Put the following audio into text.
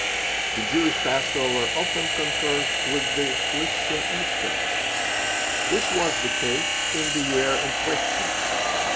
The Jewish Passover often concurs with the Christian Easter. This was the case in the year in question.